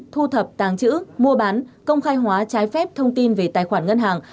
thu thập tàng chữ mua bán công khai hóa trái phép thông tin về tài khoản ngân hàng